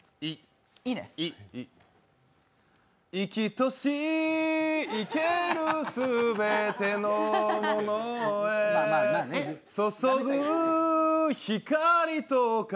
生きとし生けるもの全てのものへ注ぐ光と影。